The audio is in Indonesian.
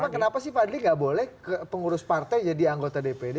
kenapa sih fadli gak boleh pengurus partai jadi anggota dpd